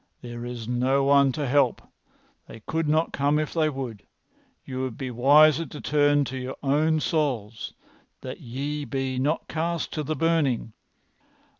"There is no one to help. They could not come if they would. You would be wiser to turn to your own souls that ye be not cast to the burning.